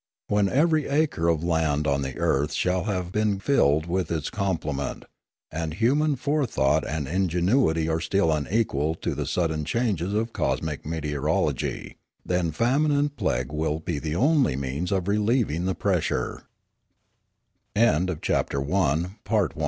When every acre of land on the earth shall have been filled with its complement, and human fore thought and ingenuity are still unequal to the sudden changes of cosmic meteorology, then famine and plague will be the only means of relievi